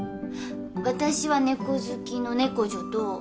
私は猫好きの猫女と。